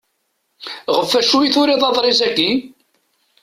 Ɣef acu i turiḍ aḍris-agi?